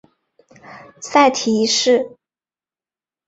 塞提一世。